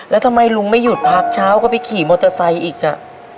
แล้วทำไมลุงไม่หยุดพักเช้าก็ไปขี่มอเตอร์ไซค์อีกอ่ะ